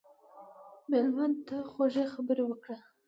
مېلمه ته خوږې خبرې وکړه.